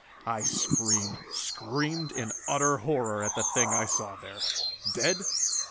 I screamed, screamed in utter horror at the thing I saw there. Dead?